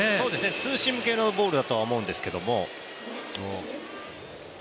ツーシーム系のボールだと思うんですけど。